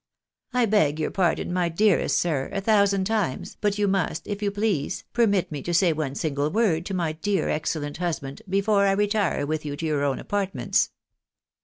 " I beg your pardon, my dearest sir, a thousand times, but you must, if you please, permit me to say one single world to my dear excellent husband, before I retire with you to yoiir own apart ments."